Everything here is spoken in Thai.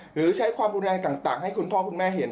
หรือใช้ความรุนแรงต่างให้คุณพ่อคุณแม่เห็น